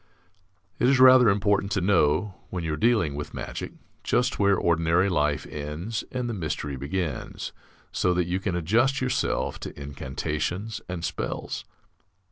It is rather important to know, when you are dealing with magic, just where ordinary life ends and the mystery begins, so that you can adjust yourself to incantations and spells.